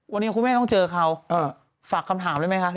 วันนี้คุณแม่ต้องเจอเขาฝากคำถามได้ไหมคะ